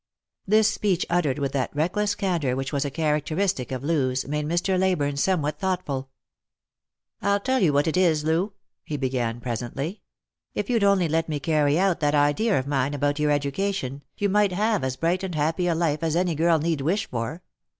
This speech uttered with that reckless candour which was a characteristic of Loo's, made Mr. Leyburne somewhat thoughtful. " I'll tell you what it is, Loo," he began presently ;" if you'd Only let me carry out that idea of mine about your education, you might have as bright and happy a life as any girl need wish for.